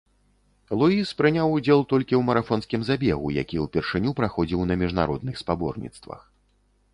Луіс прыняў удзел толькі ў марафонскім забегу, які ўпершыню праходзіў на міжнародных спаборніцтвах.